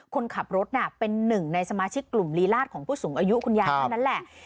คนขับรถน่ะเป็นหนึ่งในสมาชิกกลุ่มลีลาดของผู้สูงอายุคุณยายท่านนั้นแหละ